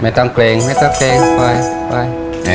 ไม่ต้องเกรงไม่ต้องเกรงคอยคอย